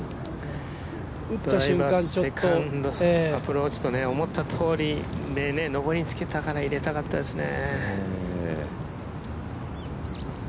セカンド、アプローチ、思ったとおりのぼりにつけて入れたかったですね。